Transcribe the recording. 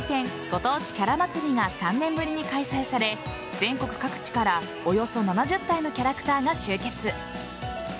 ご当地キャラまつりが３年ぶりに開催され全国各地からおよそ７０体のキャラクターが集結。